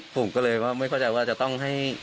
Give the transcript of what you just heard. ผมก็เลยไม่เข้าใจว่าจะต้องให้